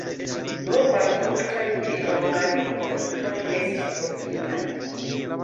Nur malmultaj pli longaj dokumentoj estis trovitaj.